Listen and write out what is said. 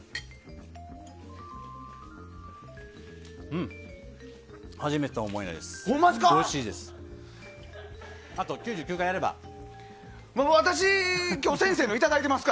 うん、初めてとは思えないです。